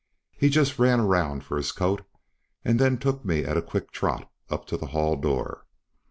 He just ran around for his coat, and then took me at a quick trot up to the Hall door.